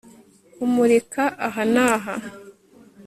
kumurika aha naha